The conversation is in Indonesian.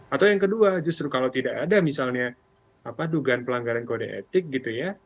atau yang kedua justru kalau tidak ada misalnya dugaan pelanggaran kode etik gitu ya